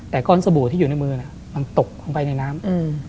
แต่ก้อนสบู่ที่อยู่ในมือมันตกลงไปในน้ำ